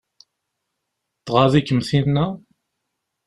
Tɣaḍ-ikem tinna?